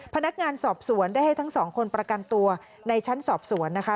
พนักงานสอบสวนได้ให้ทั้งสองคนประกันตัวในชั้นสอบสวนนะคะ